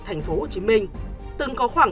thành phố hồ chí minh từng có khoảng